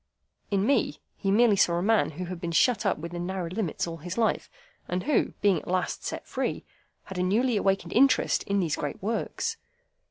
In me, he merely saw a man who had been shut up within narrow limits all his life, and who, being at last set free, had a newly awakened interest in these great works.